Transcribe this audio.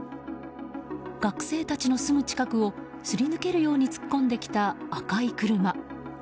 学生たちのすぐ近くをすり抜けるように突っ込んできた赤い車。